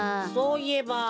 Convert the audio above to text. そういえば。